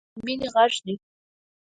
هیواد مې د مینې غږ دی